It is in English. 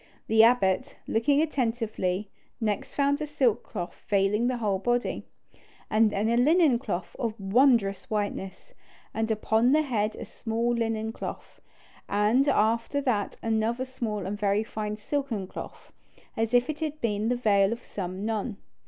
The abbot, looking attentively, next found a silk cloth veiling the whole body, and then a linen cloth of wondrous whiteness, and upon the head a small linen cloth, and after that another small and very fine silken cloth, as if it had been the veil of some nun.